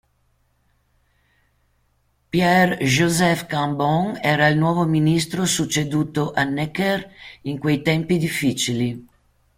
Pierre Joseph Cambon era il nuovo ministro succeduto a Necker in quei tempi difficili.